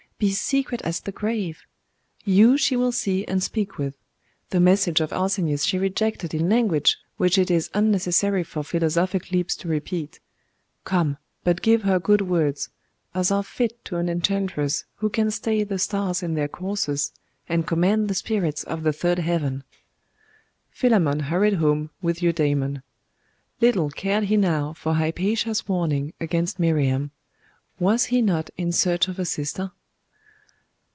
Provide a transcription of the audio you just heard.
Be secret as the grave. You she will see and speak with. The message of Arsenius she rejected in language which it is unnecessary for philosophic lips to repeat. Come; but give her good words as are fit to an enchantress who can stay the stars in their courses, and command the spirits of the third heaven.' Philammon hurried home with Eudaimon. Little cared he now for Hypatia's warning against Miriam.... Was he not in search of a sister?